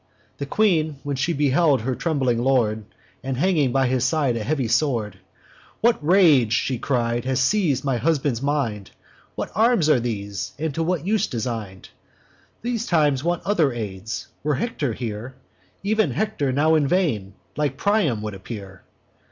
The Queen, when she beheld her trembling lord, And hanging by his side a heavy sword, 'What rage,' she cried, 'has seiz'd my husband's mind? What arms are these, and to what use design'd? These times want other aids! Were Hector here, Ev'n Hector now in vain, like Priam, would appear.